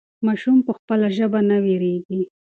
ماشوم په خپله ژبه نه وېرېږي.